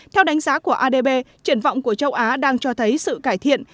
theo đánh giá của adb triển vọng của châu á đang cho thấy sự cải thiện